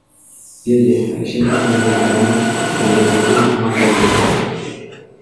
Yeye alishinda tuzo ya Grammy kwa wimbo huu mwaka uliofuata.